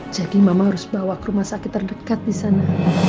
mama harus bawa ke rumah sakit terdekat di sana